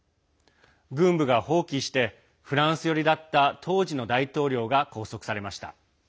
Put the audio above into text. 軍部が蜂起してフランス寄りだった当時の大統領が拘束されました。